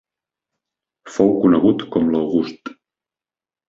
Fou conegut com l'August.